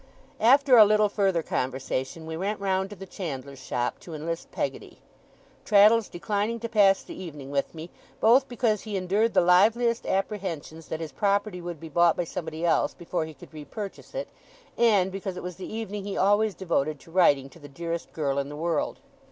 After a little further conversation, we went round to the chandler's shop, to enlist Peggotty; Traddles declining to pass the evening with me, both because he endured the liveliest apprehensions that his property would be bought by somebody else before he could re purchase it, and because it was the evening he always devoted to writing to the dearest girl in the world.